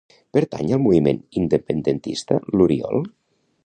Pertany al moviment independentista l'Oriol?